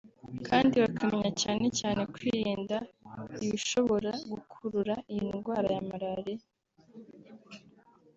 kandi bakamenya cyane cyane kwirinda ibishobora gukurura iyi ndwara ya malaria